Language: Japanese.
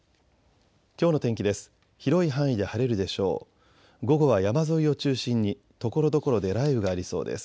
きょうの天気です。